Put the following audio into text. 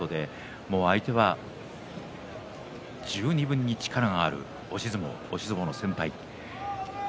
相手は十二分に力がある押し相撲の先輩です。